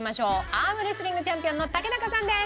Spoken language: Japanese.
アームレスリングチャンピオンの竹中さんです。